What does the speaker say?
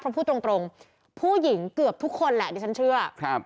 เพราะพูดตรงตรงผู้หญิงเกือบทุกคนแหละดิฉันเชื่อครับ